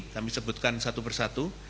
kami sebutkan satu persatu